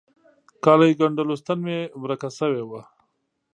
کاليو ګنډلو ستن مي ورکه سوي وه.